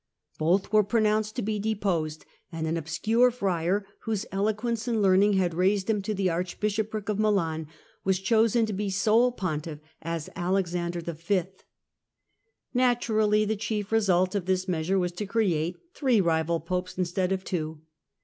Both were pronounced to be deposed, and an obscure Friar, whose eloquence and learning had raised him to the Archbishopric of Milan, was chosen to be sole Pontiff as Alexander V. Naturally the chief result of this measure Election of was to create three rival Popes instead of two.